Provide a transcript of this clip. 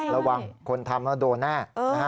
ระวังคนทำก็โดนหน้า